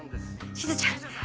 しずちゃん